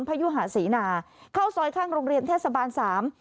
พยุหาเสนาเข้าซอยข้างโรงเรียนเทศบาลสาม